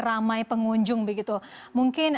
ramai pengunjung mungkin